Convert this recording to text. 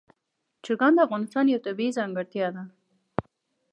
چرګان د افغانستان یوه طبیعي ځانګړتیا ده.